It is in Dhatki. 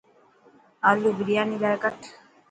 آلو برياني لاءِ ڪٽ.